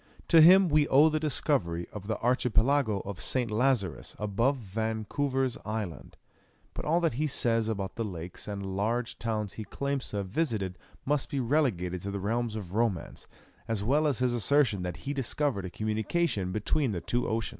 To him we owe the discovery of the Archipelago of St. Lazarus above Vancouver's Island; but all that he says about the lakes and large towns he claims to have visited must be relegated to the realms of romance, as well as his assertion that he discovered a communication between the two oceans.